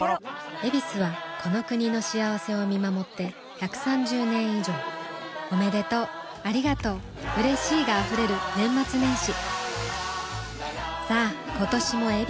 「ヱビス」はこの国の幸せを見守って１３０年以上おめでとうありがとううれしいが溢れる年末年始さあ今年も「ヱビス」で